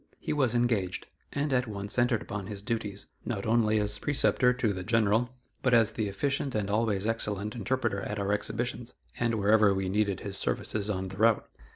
He was engaged, and at once entered upon his duties, not only as preceptor to the General, but as the efficient and always excellent interpreter at our exhibitions, and wherever we needed his services on the route.